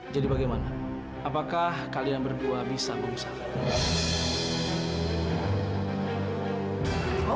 jadi bagaimana apakah kalian berdua bisa mengusahakan